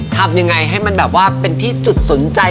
ทำยังไงให้มันแบบว่าเป็นที่จุดสนใจ